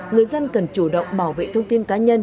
người dân cần chủ động bảo vệ thông tin cá nhân